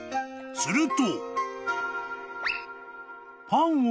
［すると］